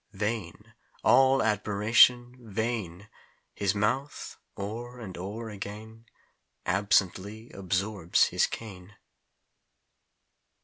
Vain! all admiration vain! His mouth, o'er and o'er again Absently absorbs his cane.